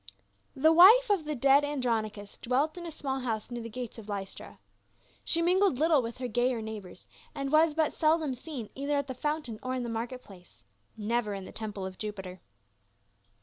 THE wife of the dead Andronicus dwelt in a small house near the gates of Lystra. She mingled little with her gayer neighbors, and was but seldom seen either at the fountain or in the market place, never in the temple of Jupiter.